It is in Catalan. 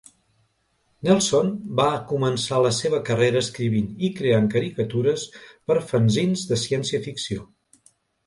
Nelson va començar la seva carrera escrivint i creant caricatures per a fanzins de ciència-ficció.